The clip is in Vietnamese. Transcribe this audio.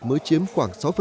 mới chiếm khoảng sáu